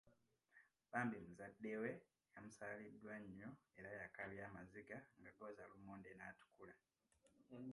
Bambi muzadde we yamusaaliddwa nnyo era yakaabye amaziga nga gooza lumonde n’atukula.